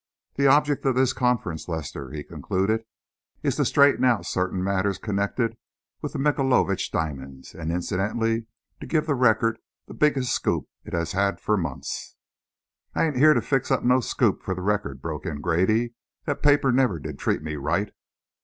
"The object of this conference, Lester," he concluded, "is to straighten out certain matters connected with the Michaelovitch diamonds and incidentally to give the Record the biggest scoop it has had for months." "I ain't here to fix up no scoop for the Record", broke in Grady. "That paper never did treat me right."